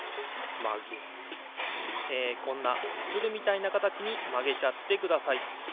えこんなつるみたいなかたちにまげちゃってください。